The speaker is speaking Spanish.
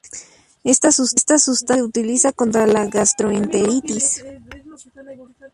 Esta substancia se utiliza contra la gastroenteritis.